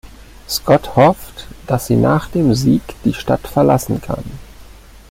Scott hofft, dass sie nach dem Sieg die Stadt verlassen kann.